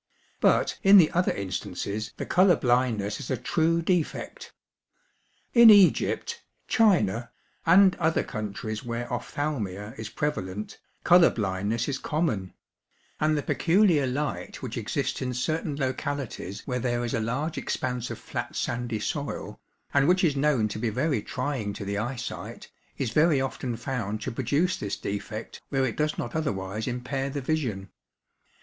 But in the other instances the colour blindness is a true defect. In Egypt, China, and other countries where ophthalmia is prevalent, colour blindness is common; and the peculiar light which exists in certain localities where there is a large expanse of flat sandy soil, and which is known to be very trying to the eyesight, is very often found to produce this defect where it does not otherwise impair the vision.